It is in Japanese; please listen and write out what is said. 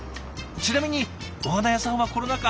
ちなみにお花屋さんはコロナ禍